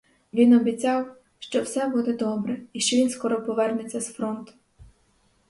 Він обіцяв, що все буде добре і що він скоро повернеться з фронту.